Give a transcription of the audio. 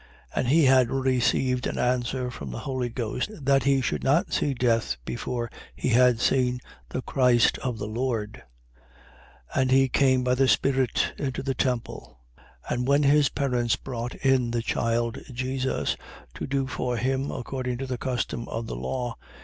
2:26. And he had received an answer from the Holy Ghost, that he should not see death before he had seen the Christ of the Lord. 2:27. And he came by the Spirit into the temple. And when his parents brought in the child Jesus, to do for him according to the custom of the law, 2:28.